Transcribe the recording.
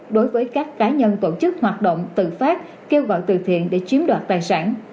đối với các cá nhân tổ chức hoạt động tự phát kêu gọi từ thiện để chiếm đoạt tài sản